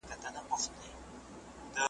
یو ځل بیا دي په پنجاب کي زلزله سي .